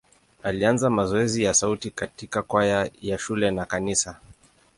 Alianza mazoezi ya sauti katika kwaya ya shule na kanisa.